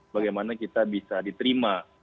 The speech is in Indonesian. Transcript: bagaimana kita bisa diterima